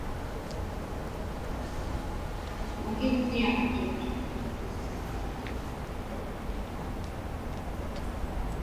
Makinniaqtut.